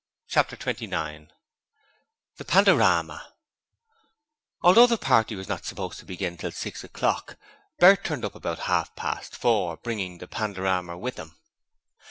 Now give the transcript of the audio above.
Chapter 29 The Pandorama Although the party was not supposed to begin till six o'clock, Bert turned up at half past four, bringing the 'Pandoramer' with him.